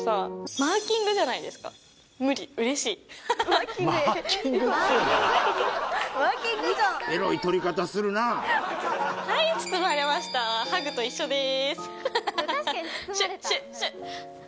マーキングじゃんはい包まれましたハグと一緒です